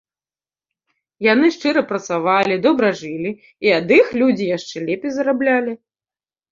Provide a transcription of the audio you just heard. Яны шчыра працавалі, добра жылі і ад іх людзі яшчэ лепей зараблялі.